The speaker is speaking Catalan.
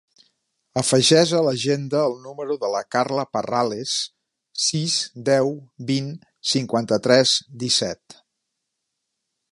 Afegeix a l'agenda el número de la Carla Parrales: sis, deu, vint, cinquanta-tres, disset.